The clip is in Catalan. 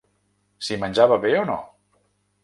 Si menjava bé o no.